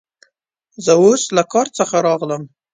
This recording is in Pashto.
زه اوس له کار څخه راغلم.